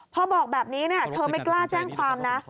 พอบอกแบบนี้เธอไม่กล้าแจ้งความนะ